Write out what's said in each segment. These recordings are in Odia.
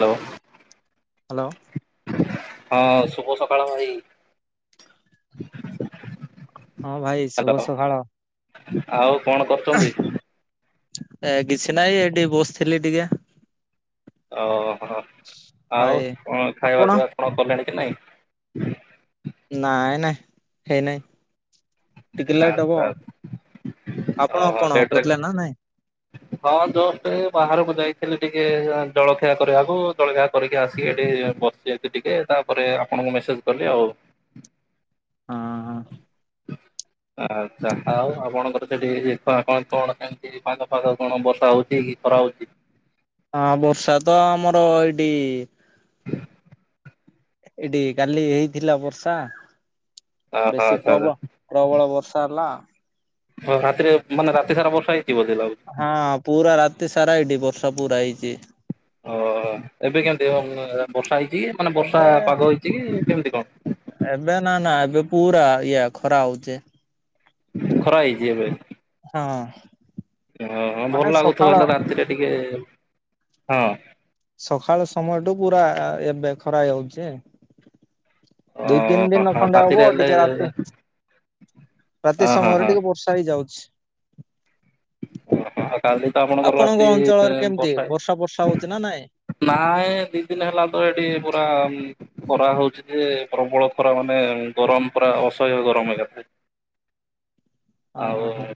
ହ୍ୟାଲୋ ହଁ ଶୁଭ ସକାଳ ଭାଇ। ହଁ ଭାଇ ଶୁଭ ହ୍ୟାଲୋ ସକାଳ। ଆଉ କଣ କରୁଛନ୍ତି? ଏ କିଛି ନାହିଁ ଏ ଟିକେ ବସିଥିଲି ଟିକେ। ଓହୋ ଆଉ ହଏ କଣ ଖାଇବା ଆପଣ ପିଇବା କଣ କଲେଣି କି ନାଇଁ? ନାଇଁ ନାଇ ଖେଇ ନାଇଁ ଟିକେ ଲେଟ ହବ। ଓ ଆପଣ ହୋ କଣ [unintelligible] କରୁଥିଲେ ନା ନାଇଁ? ଆ ଜଷ୍ଟ ଏ ବାହାରକୁ ଯାଇ ଥିଲି ଟିକେ-ଏ-ଏ ଜଳଖିଆ କରିବାକୁ ଜଳଖିଆ କରିକି ଆସି ଏଠି ବସିଛି ଏ ଟିକେ ତାପରେ ଆପଣ ମୁଁ ମେସେଜ କଲି ଆଉ। ହଁ ହଁ। ଆଛା ଆଉ ଆପଣଙ୍କର ସେଠି କଣ [unintelligible] ବର୍ଷା ହଉଛି କି କଣ? ହଉଛି। ହଁ ବର୍ଷା ତ ଆମର ଏଇଠି ଏଠି କାଲି ହେଇଥିଲା ବର୍ଷା ଓହୋ ବେଶୀ ଆଚ୍ଛା ଆଚ୍ଛା ପ୍ରବ ପ୍ରବଳ ବର୍ଷା ହେଲା। ହଁ ରାତିରେ ମାନେ ରାତି ସାରା ବର୍ଷା ହେ ହଁ ପୁରା ରାତି ସାରା ଏଇଠି ବର୍ଷା ପୁରା ହେଇଛି। ଓ-ଓ-ଓ ଏବେ କେମିତି ଉ-ମ-ମ ବର୍ଷା ହେଇଛି ମାନେ ବର୍ଷା ଏବେ ପାଗ ହେଇଛି କେମିତି କଣ? ଏବେ ନା ନା ଏବେ ପୁରା ଇଏ ଖରା ହଉଛି। ଖରା ହେଇଛି ଏଵେ। ହଁ ହଁ ହଁ ମାନେ ଭଲ ଲାଗୁଥିବ ସକାଳ ହେଲେ ରାତିରେ ଟିକେ-ଏ-ଏ-ଏ, ହଁ ସକାଳ ସମୟଠୁ ପୁରା-ଆ-ଆ ଏବେ ଖରା ହେଇଯାଉଛି। ଦି ତିନ ଓ ଦିନ ହଁ ଖଣ୍ଡେ ରାତିରେ ହବ ହେଲେ ଟିକେ ରାତି ରାତି ହଁ ହଁ ସମୟରେ ହଁ ଟିକେ ବର୍ଷା ହେଇଯାଉଛି। ଓ ହ ତାହେଲେ ତ ଆପଣଙ୍କର ରାତି ଆପଣଙ୍କ ଏ ଅଞ୍ଚଳରେ କେମିତି ବର୍ଷା ବର୍ଷା ହେ ହଉଛି ନା ନାଇଁ? ନାଇଁ ଦି ଦିନ ହେଲା ତ ଏଠି ପୁରା ଖରା ହଉଛି ଯେ ପ୍ରବଳ ଖରା ମାନେ ଗରମ ପୁରା ଅସହ୍ୟ ଗରମ ଏକାଥରେ। ଆଉ ଓହୋ ହଁ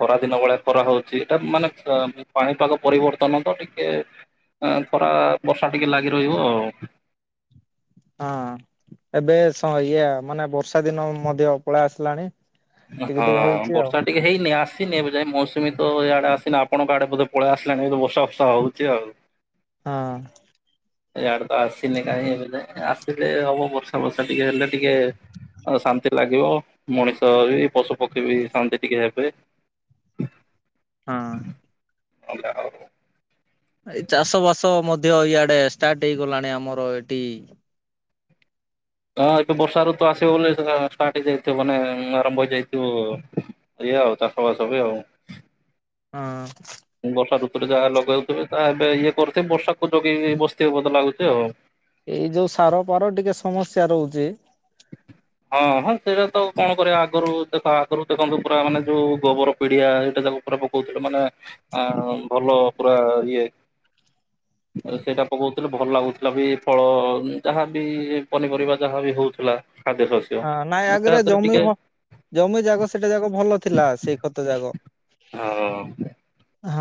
ଖରାଦିନ ବେଳା କରାହଉଛି ଏଇଟା ମାନେ ପ ପାଣିପାଗ ପରିବର୍ତ୍ତନ ତ ଟିକେ ଖରା ବର୍ଷା ଟିକେ ଲାଗି ରହିବ ଆଉ। ହଁ ଏବେ ସଇଏ ମାନେ ବର୍ଷା ଦିନ ମଧ୍ୟ ପଳେଇ ଆସିଲାଣି ଟିକେ ହଁ ଟିକେ ହଉଛି ଆଉ ବର୍ଷା ଟିକେ ହେଇନି ଆସ ଆସିନି ଏବେ ଯାଇ ମୌସୁମୀ ତ ଏଇଆଡେ ଆସିନି ଆପଣଙ୍କ ଆଡେ ବଧେ ପଳେଇ ଆସିଲାଣି ଏ ବର୍ଷା ଫର୍ଷା ହଉଛି ଆଉ। ହ। ଇଆଡେ ତ ଆସିନି କାହିଁ ଏବେ ଆସିଲେ ହବ ବର୍ଷା ଫର୍ଷା ଟିକେ ହେଲେ ଟିକେ ଆ ଶାନ୍ତି ଲାଗିବ ମଣିଷ ବି ପଶୁ ପକ୍ଷୀ ବି ଶାନ୍ତି ଟିକେ ହେବେ। [inaudible] ହଁ। [unintelligible] ଏ ଚାଷବାସ ମଧ୍ୟ ଇଆଡେ ଷ୍ଟାର୍ଟ ହେଇଗଲାଣି ଆମର ଏଠି ହଁ ଏବେ ବର୍ଷା ଋତୁ ଆସିବ ବୋଲି ଷ୍ଟାର୍ଟ ହେଇଯାଇଥିବ ମାନେ ଆରମ୍ଭ ହେଇଯାଇଥିବ ଏଇ ଆଉ ତା ଖବ ସବ ଆଉ ହୁଁ ବର୍ଷା ଋତୁରେ ଯାହା ଲଗେଇଉଥିବେ ତା ଏବେ ଇଏ କରୁଥିବେ ବର୍ଷାକୁ ଜଗି ବସ୍ତି ବ ଲାଗୁଛି ଆଉ ଏଇ ଯୋଉ ସାର ପାର ଟିକେ ସମସ୍ୟା ରହୁଛି [inaudible] ହଁ ହଁ ସେଇଟା ତ କଣ କରିବା ଆଗରୁ ଦେ ଆଗରୁ ଦେଖନ୍ତୁ ପୁରା ମାନେ ଯୋଉ ଗୋବର ପିଡିଆ ସେଇଟା ଉପରେ ପକଉଥିଲେ ମାନେ ଭଲ ପୁରା ଇଏ ଆ ସେଇଟା ପକଉଥିଲେ ଭଲ ଲାଗୁଥିଲା ବି ଫଳ ଯାହାବି ପନିପରିବା ଯାହାବ ହଉ ହଁ ନାଇଁ ଆଗରେ ଜମି ଟିକେ ଜମି ଜାଗ ସେଟା ଯାକ ଭଲ ଥିଲା ସେଇ ଖତ ଯାଗ ହଁ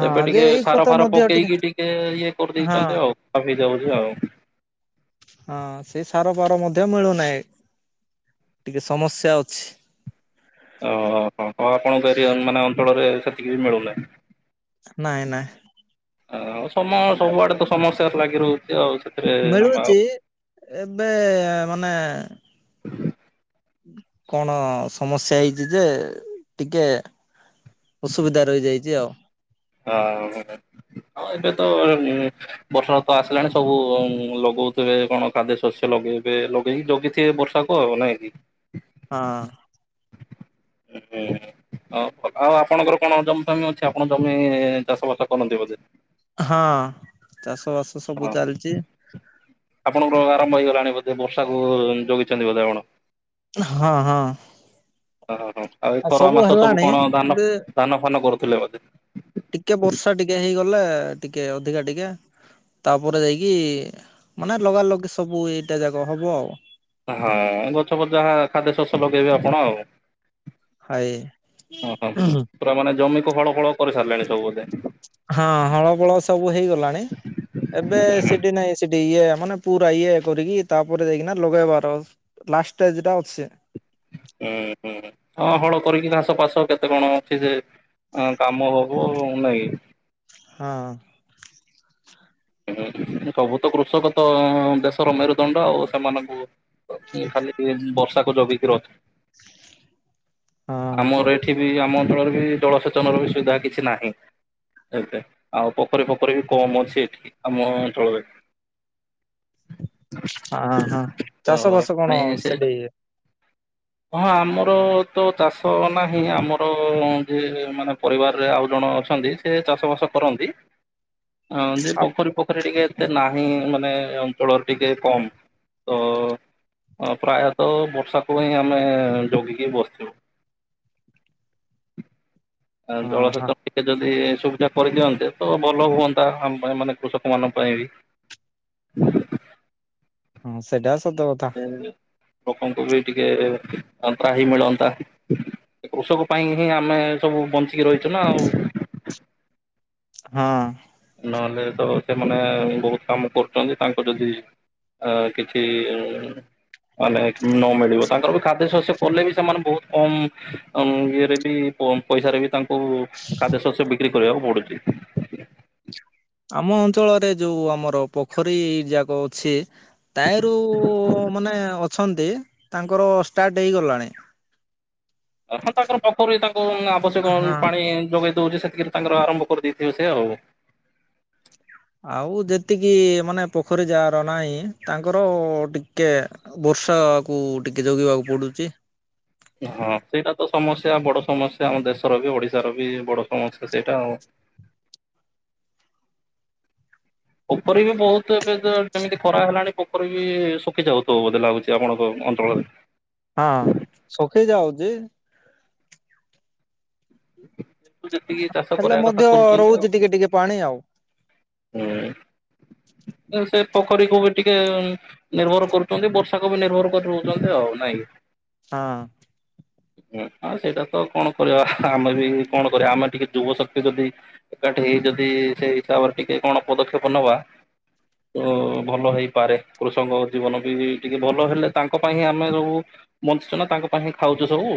ଏବେ ଯେ ଟିକେ ଏଇ ଖତ ସାର ଫାର ମଧ୍ୟ ପକେଇକି ଟିକେ ଇଏ ହଁ କରିଦେଇଛନ୍ତି ଆଉ କପି ଦଉଛି ଆଉ [inaudible] ହଁ ସେ ସାର ପାର ମଧ୍ୟ ମିଳୁନାହିଁ ଟିକେ ସମସ୍ୟା ଅଛି ଓହୋ ଆପଣଙ୍କ ଏରିଆ ମାନେ ଅଞ୍ଚଳରେ ସେତିକି ବି ନାଇଁ ନାଇଁ ମିଳୁନାହିଁଉ ସମ ସବୁଆଡେ ତ ସମସ୍ତ ଲାଗି ର ମିଳୁଛି ଏବେ ମାନେ ହ [inaudible] କଣ ସମସ୍ୟା ହେଇଛି ଯେ ଟିକେ? ଅସୁବିଧା ରହିଯାଇଛି ଆଉ । ହଁ ଏବେ ତ ବର୍ଷା ଫରସା ଆସିଲାଣି ସବୁ ଲୋ କହୁଥିବେ କଣ ଖାଦ୍ୟ ଶସ୍ୟ ଲଗେଇବେ ଲଗେଇକି ଲଗିଥିବେ ବର୍ଷା କଉ ନାଇଁ କି ହଁ [unintelligible] ହ ଆଉ ଆପଣଙ୍କର କଣ ଜମିଫମି ଅଛି ଆପଣ ଜମି ଚାଷ ବାସ କରନ୍ତି ବୋଧେ । ହଁ ଚାଷ ବାସ ସବୁ ହଁ ଚାଲିଛି । ମଇଗଲାଣି ବୋଧେ ବର୍ଷାକୁ ଜଗିଛନ୍ତି ବୋଧେ ଆଣ ହଁ ହଁ ଓ ହୋ ଆଉ ଏଇ ଖର ମାସ ସବୁ କଣ ଧାନ ଧାନ ଫାନ କରୁଥିଲେ ବୋଧେ । ଟିକେ ବର୍ଷା ଟିକେ ହେଇଗଲେ ଟିକେ ଅଧିକା ଟିକେ ତାପରେ ଯାଇକି ମାନେ ଲଗାଲଗା ସବୁ ଏଇଟା ଯାଗ ହବ । ହଁ ଗଛ ପଚଯାହା ଖାଦ୍ୟ ଶସ୍ୟ ଲଗେଇବେ ଆପଣ ଆଉ ହାଏ । ଓ ପୁରା ମାନେ ଜମିକୁ ହଳ ଫଳ କରି ସାରିଲାଣି ସବୁ ବୋଧେ । ହଁ ହଳ ବଳ ସବୁ ହେଇଗଲାଣି ଏବେ ସେଠି ନାଇଁ ସେଠି ଇଏ ମାନେ ପୁରା ଇଏ କରିକି ତାପରେ ଯାଇକିନା ଲଗେଇବାର ଲାଷ୍ଟ ଷ୍ଟେଜ୍ ଟା ଅଛି। ହୁଁ ହୁଁ ହଁ ହଳ କରିକି ଘାସ ଫାସ କେତେ କଣ ଅଛି ସେ ହ କାମ ହଗୁ ନାହିଁ କି? ହଁ। [inaudible] ସବୁ ତ କୃଷକ ତ ଦେଶର ମେରୁଦଣ୍ଡ ଆଉ ସେମାନଙ୍କୁ ଖାଲି ଟିକେ ବର୍ଷାକୁ ଜଗିକିରି ଅଛ ହଁ ଆମର ଏଠି ବି ଆମ ଅଞ୍ଚଳରେ ବି ଜଳସେଚନର ବି ସୁବିଧା କିଛି ନାହିଁ। ଏତେ ଆଉ ପୋଖରୀ ଫୋଖରୀ ବି କମ ଅଛି ଏଠି ଆମ ଅଞ୍ଚଳରେ। ହଁ ହଁ ତ ଚାଷ ବାସ କଣ ପାଣି ସେ ସେଠି? ହଁ ଆମର ତ ଚାଷ ନାହିଁ ଆମର ଯିଏ ମାନେ ପରିବାରରେ ଆଉ ଜଣ ଅଛନ୍ତି ସେ ଚାଷ ବାସ କରନ୍ତି ଆଁ ଆ ପୋଖରୀ ପୋଖରୀ ଟିକେ ଏତେ ନାହିଁ ମାନେ ଅଞ୍ଚଳର ଟିକେ କମ୍ ତ ପ୍ରାୟତଃ ବର୍ଷାକୁ ହିଁ ଆମେ ଜଗିକି [inaudible] ଆ ହଁ ହଁ ଜଳସେଚନ ଟିକେ ଯଦି ସୁବିଧା କରିଦିଅନ୍ତେ ତ ଭଲ ହୁଅନ୍ତା ଆମ ପାଇଁ ମାନେ କୃଷକମାନଙ୍କ ପାଇଁ ବି। ହଁ ସେଇଟା ସତ କଥା। ଏ ଲୋକଙ୍କୁ ବି ଟିକେ ତା ତ୍ରାହି ମିଳନ୍ତା। କୃଷକ ପାଇଁ ହିଁ ଆମେ ସବୁ ବଞ୍ଚିକି ରହିଛୁ ନା ଆଉ। ହଁ। ନହେଲେ ତ ସେମାନେ ବହୁତ୍ କାମ କରୁଛନ୍ତି ତାଙ୍କ ଯଦି ଆ କିଛି ଅନେକ୍ ନୋ ମିଳିବ ତାଙ୍କର ବି ଖାଦ୍ୟ ଶସ୍ୟ କଲେ ବି ସେମାନେ ବହୁତ୍ କମ୍ ଇଏରେ ବି କମ୍ ପଇସାରେ ବି ତାଙ୍କୁ ଖାଦ୍ୟଶସ୍ୟ ବିକ୍ରି କରିବାକୁ ପଡୁଛି। ଆମ ଅଞ୍ଚଳରେ ଯୋଉ ଆମର ପୋଖରୀ ଯାକ ଅଛି ତାଇଁରୁ ମାନେ ଅଛନ୍ତି ତାଙ୍କର ଷ୍ଟାର୍ଟ ହେଇଗଲାଣି। ଅର୍ଥ ତାଙ୍କର ପୋଖରୀ ତାଙ୍କୁ ଆବଶ୍ୟକ ହଁ। ପାଣି ଯୋଗେଇ ଦୋଉଛି ସେତିକିରେ ତାଙ୍କର ଆରମ୍ଭ କରିଦେଇଥିବ ସେ ଆଉ। ଆଉ ଯେତିକି ମାନେ ପୋଖରୀ ଯାର ନାହିଁ ତାଙ୍କର ଟିକେ ବୋ ର୍ଷାକୁ ଟିକେ ଜଗିବାକୁ ପଡୁଚି। ହଁ ସେଇଟା ତ ସମସ୍ୟା ବଡ ସମସ୍ୟା ଆମ ଦେଶର ବି ଓଡିଶାର ବି ବଡ ସମସ୍ୟା ସେଇଟା ଆଉ। [inaudible] ପୋଖରୀ ବି ବହୁତ ଏବେ [unintelligible] ଖରା ହେଲାଣି ପୋଖରୀ ବି ଶୁଖି ଯାଉଥିବ ବୋଧେ ଲାଗୁଛି ଆପଣଙ୍କ ଅଞ୍ଚଳରେ। ହଁ। ଶୁଖି ଯାଉଛି ଯେତିକି ଚାଷ ହେଲେ କରିବା ମଧ୍ୟ କଥା କରୁଛନ୍ତି ରହୁଛି ଆଉ। ଟିକେ ଟିକେ ପାଣି ଆଉ। ହୁଁ। ସେ ପୋଖରୀକୁୁ ବି ଟିକେ ନିର୍ଭର କରୁଛନ୍ତି ବର୍ଷାକୁ ବି ନିର୍ଭର କରି ରହୁଛନ୍ତି ଆଉ ନାଇଁ କି? ହଁ। ହଁ ସେଇଟା ତ କଣ କରିବା ଆମେ ବି କଣ କରିବା ଆମେ ଟିକେ ଯୁବ ଶକ୍ତି ଯଦି ଏକା ଠି ହେଇ ଯଦି ସେଇ ହିସାବରେ ଟିକେ କଣ ପଦକ୍ଷେପ ନବା। ତ ଭଲ ହେଇପାରେ କୃଷକଙ୍କ ଜୀବନ ବି ଟିକେ ଭଲ ହେଲେ ତାଙ୍କ ପାଇଁ ଆମେ ରହୁ ମୁଁ ବଞ୍ଚୁଛୁ ନା ତାଙ୍କ ପାଇଁଁ ଖାଉଛୁ ସବୁ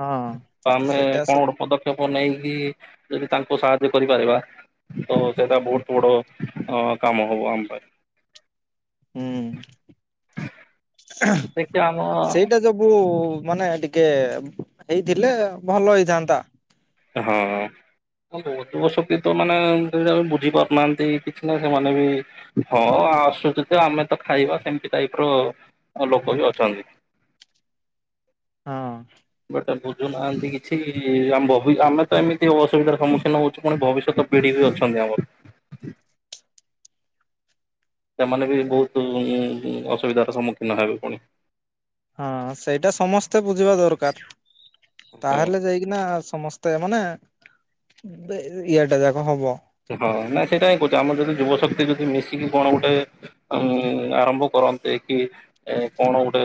ହଁ। ଆମେ ସେଇଟା ସ କଣ ଗୋଟେ ପଦକ୍ଷେପ ବନେଇକି ଯଦି ତାଙ୍କୁ ସାହାଯ୍ୟ କରିପାରିବା। ତ ସେଇଟା ବହୁତ ବଡ କାମ ହବ ଆମ ପାଇଁ। ହୁଁ ଦେଖିବା ଆମ ସେଇଟା ଯୋଗୁ ଉ ମାନେ ଟିକେ ହେଇଥିଲେ ଭଲ ହେଇଥାନ୍ତା। ହଁ। [unintelligible] ବୋଦୋ ଶକ୍ତି ତ ମାନେ ବୁଝି ପାରୁନାହାନ୍ତି କିଛି ନା ସେମାନେ ବି ହଁ ହଁ ଆସୁଛି ତ ଆମେ ତ ଖାଇବା ସେମିତି ଟାଇପ୍ ର ଲୋକ ବି ଅଛନ୍ତି। [inaudible] ହଁ। ସେଟା ବୁଝୁନାହାଁନ୍ତି କିଛି ଆମ୍ବ ଆମେ ତ ଏମିତି ଅସୁବିଧାର ସମ୍ମୁଖୀନ ହଉଛୁ ପୁଣି ଭବିଷ୍ୟତ ପିଢ଼ି ବି ଅଛନ୍ତି ଆମର। ସେମାନେ ବି ବହୁତ ଉମ ଅସୁବିଧାର ସମ୍ମୁଖୀନ ହେବେ ପୁଣି। ହଁ ସେଇଟା ସମସ୍ତେ ବୁଝିବା ଦରକାର। ପୁଣି। ତାହେଲେ ଯାଇକିନା ସମସ୍ତେ ମାନେ ଇଏଟା ଯାକ ହବ। ହଁ ନାଇଁ ସେଇଟା ହିଁ କହୁଛି ଆମର ଯଦି ଯୁବ ଶକ୍ତି ଯଦି ମିଶିକି କଣ ଗୋଟେ ଆରମ୍ଭ କର କରନ୍ତେ କି କଣ ଗୋଟେ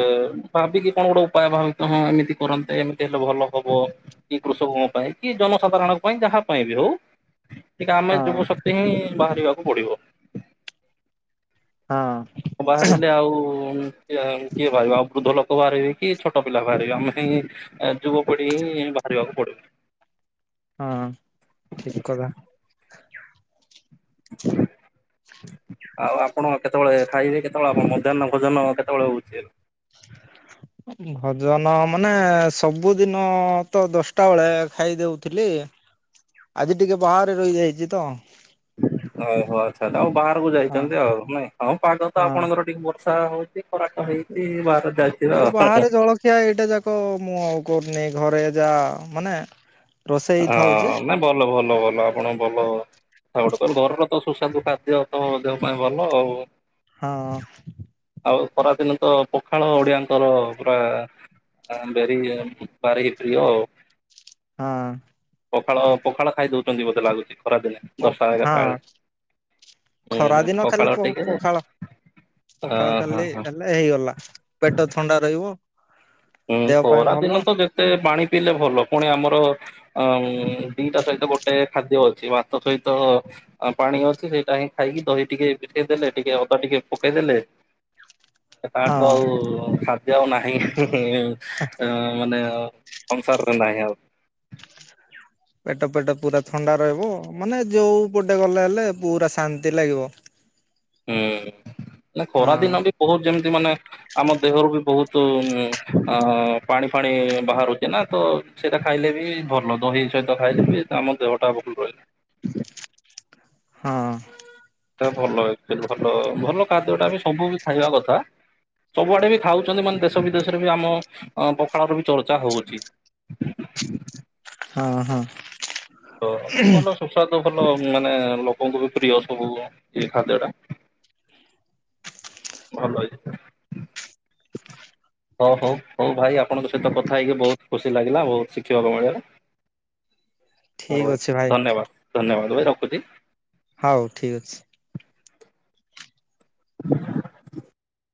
ଭାବିକି କଣ ଗୋଟେ ଉପାୟ ଭାବ ହଁ ଏମିତି କରନ୍ତେ ଏମିତି ହେଲା ଭଲ ହବ କି କୃଷକଙ୍କ ପାଇଁ କି ଜନସାଧାରଣଙ୍କ ପାଇଁ ଯାହା ପାଇଁ ବି ହଉ ଟିକେ ଆମେ ହଁ ଯୁବ ଶକ୍ତି ହିଁ ବାହାରିବାକୁ ପଡିବ। ହଁ ନ ବାହାରିଲେ ଆଉ କିଏ କିଏ ବାହାରିବ ଆଉ ବୃଦ୍ଧ ଲୋକ ବାହାରିବେ କି ଛୋଟ ପିଲା ବାହାରିବେ ଆମେ ହିଁ ଯୁବପିଢି ହିଁ ବାହାରିବାକୁ ପଡିବ। ହଁ ଠିକ କଥା। ହ ଏ ଆଉ ଆପଣ କେତେବେଳେ ଖାଇବେ କେତେବେଳେ ଆପଣ ମଧ୍ୟାହ୍ନ ଭୋଜନ କେତେବେଳେ ହଉଚି ଏବେ? ହ ଏ ଭଜନ ମାନେ ସବୁଦିନ ତ ଦଶଟା ବେଳେ ଖାଇ ଦଉଥିଲି ଆଜି ଟିକେ ବାହାରେ ରହିଯାଇଛି ତ ଓହୋ ଆଚ୍ଛା ଆଚ୍ଛା ଆଉ ବାହାରକୁ ହଁ ଯାଇଛନ୍ତି ଆଉ ନାଇଁ। ହଁ ପାଗ ତ ହଁ। ଆପଣଙ୍କର ଟିକେ ବର୍ଷା ହଉଚି ଏଇ ବାହାରେ ଜଳଖିଆ ଏଇଟା ଯାକ ମୁଁ ଆଉ କରିନେଇ ଘରେ ଯାହା ମାନେ ରୋଷେଇ ହଁ ଥାଉଛି ନାଇଁ ଭଲ ଭଲ ଭଲ ଆପଣଙ୍କ ଭଲ କଥା ଗୋଟେ ଘରର ତ ସୁସ୍ୱାଦୁ ଖାଦ୍ୟ ତ ଦେହ ପାଇଁ ଭଲ ଆଉ। ହଁ। ଆଉ ଖରାଦିନ ତ ପଖାଳ ଓଡିଆଙ୍କର ପୁରା ଆ ବାରି ଭାରି ପ୍ରିୟ ଆଉ। ହଁ। ପଖାଳ ପଖାଳ ଖାଇ ଦଉଛନ୍ତି ବୋତେ ଲାଗୁଛି ଖରା ଦିନେ ଦଶଟା ହଁ ଏଗାରଟା ବେଳେ। ଖରା ହୁଁ ହୁଁ ଦିନ ଖାଲି ପଖାଳ ପ ଟିକେ ପଖାଳ ଅ ପଖାଳ ହଁ ହଁ ଖାଲି ହେଲେ ହେଇଗଲା ପେଟ ଥଣ୍ଡା ରହିବ ହୁଁ ଦେହ ପାଇଁ ଖରା ଭଲ ଦିନ ତ ଯେତେ ପାଣି ପିଇଲେ ଭଲ ପୁଣି ଆମର ଅ ଦିଟା ସହିତ ଗୋଟେ ଖାଦ୍ୟ ଅଛି ମାଛ ସହିତ ପାଣି ଅଛି ସେଇଟା ହିଁ ଖାଇ ଦହି ଟିକେ ମିଶେଇ ଦେଲେ ଟିକେ ଅଦା ଟିକେ ପକେଇ ଦେଲେ ତାଠୁ ହଁ ଆଉ ଖାଦ୍ୟ ଆଉ ନାହିଁ ହିଁ-ହିଁ-ମାନେ ସଂସାରରେ ନାହିଁ ଆଉ। ପେଟ ପେଟ ପୁରା ଥଣ୍ଡା ରହିବ ମାନେ ଯୋଉ ପଟେ ଗଲେ ହେଲେ ପୁରା ଶାନ୍ତି ଲାଗିବ। ହୁଁ ନା ହଁ ଖରାଦିନ ବି ବହୁତ ଯେମତି ମାନେ ଆମ ଦେହରୁ ବି ବହୁତ ତୁ ଆ ପାଣି ଫାଣି ବାହାରୁଚି ନା ତ ସେଇଟା ଖାଇଲେ ବି ଭଲ ଦହି ସହିତ ଖାଇଲେ ବି ଆମ ଦେହଟା ଭଲ ରହି। ହଁ। ଭଲ ହେଇଥିବା ଭଲ ଭଲ ଖାଦ୍ୟଟା ବି ସବୁ ଖାଇବା କଥା ସବୁଆଡେ ବି ଖାଉଛନ୍ତି ମାନେ ଦେଶ ବିଦେଶରେ ବି ଆମ ପଖାଳର ବି ଚର୍ଚ୍ଚା ହଉଛି। ହୁ ହୁ ହଁ ହଁ। ତ ଭଲ ସୁସ୍ୱାଦୁ ଭଲ ମାନେ ଲୋକଙ୍କୁ ବି ପ୍ରିୟ ସବୁ ଇଏ ଖାଦ୍ୟଟା। ଭଲ ହେଇଛି। ହଉ ହଉ ହଉ ଭାଇ ଆପଣଙ୍କ ସହିତ କଥା ହେଇକି ବହୁତ ଖୁସି ଲାଗିଲା ବହୁତ ଶିଖିବାକୁ ମିଳିଲା। ହ ଠିକ ଭାଇ ଅଛି ଧନ୍ୟବାଦ ଧନ୍ୟବାଦ ଭାଇ ରଖୁଛି। ହଉ ଠିକ ଅଛି। [unintelligible]